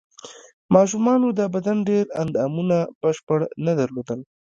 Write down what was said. ماشومانو د بدن ډېر اندامونه بشپړ نه درلودل.